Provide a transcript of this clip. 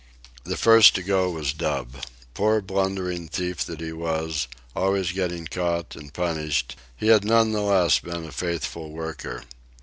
The first to go was Dub. Poor blundering thief that he was, always getting caught and punished, he had none the less been a faithful worker.